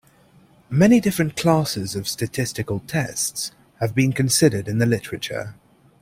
Many different classes of statistical tests have been considered in the literature.